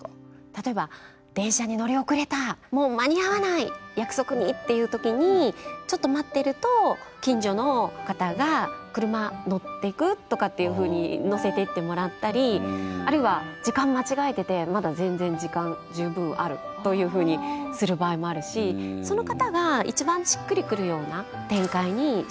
例えば「電車に乗りおくれたもう間に合わない約束に」っていう時にちょっと待ってると近所の方が「車乗ってく？」とかっていうふうに乗せてってもらったりあるいは時間まちがえててまだ全然時間十分あるというふうにする場合もあるしその方が一番しっくりくるような展開にしていくっていうのがコツです。